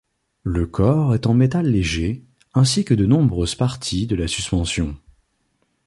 Le corps est en métal léger, ainsi que de nombreuses parties de la suspension.